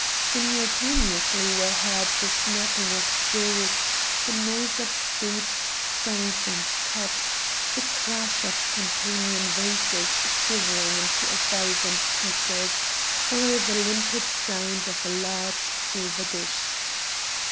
Simultaneously were heard the snapping of jaws, the noise of speech, songs, and cups, the crash of Campanian vases shivering into a thousand pieces, or the limpid sound of a large silver dish.